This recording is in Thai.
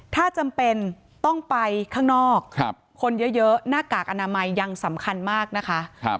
ถ้าจำเป็นต้องไปข้างนอกคนเยอะหน้ากากอนามัยยังสำคัญมากนะคะ